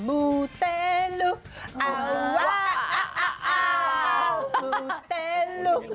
มูเตลุเอาบาอ่ะอ่าอ่าอ่ามูเตลุ